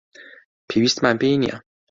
پێویستمان پێی نییە.